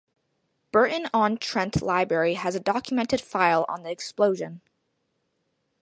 Burton-on-Trent Library has a documented file on the explosion.